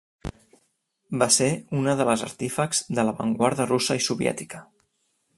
Va ser una de les artífexs de l'avantguarda russa i soviètica.